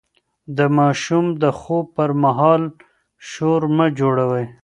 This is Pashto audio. د ماشوم د خوب پر مهال شور مه جوړوئ.